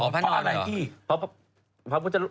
อ๋อพระนอนเหรอ